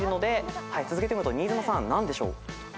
続けて読むと新妻さん何でしょう？